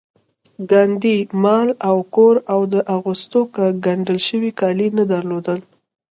ګاندي مال او کور او د اغوستو ګنډل شوي کالي نه درلودل